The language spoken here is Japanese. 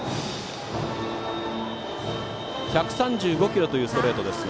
１３５キロというストレートです。